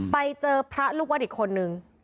ไปเจอพระลูกวัดอีกคนนึง